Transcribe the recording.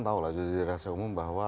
tahu lah jadi dari rasio umum bahwa